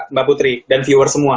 mbak putri dan viewer semua